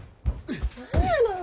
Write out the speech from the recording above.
何やのよ